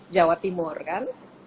jawa timur kan